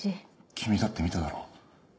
君だって見ただろ。